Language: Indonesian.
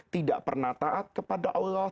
tidak pernah taat kepada allah